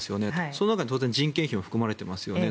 その中に当然人件費も含まれていますよね。